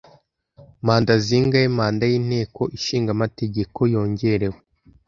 Manda zingahe manda yinteko ishinga amategeko yongerewe